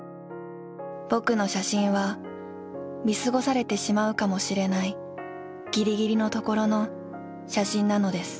ぼくの写真は見過ごされてしまうかもしれないぎりぎりのところの写真なのです。